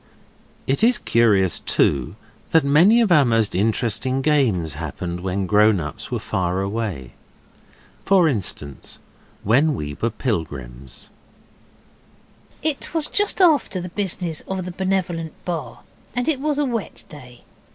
It is curious, too, that many of our most interesting games happened when grown ups were far away. For instance when we were pilgrims. It was just after the business of the Benevolent Bar, and it was a wet day.